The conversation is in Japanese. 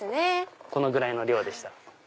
このぐらいの量でしたら。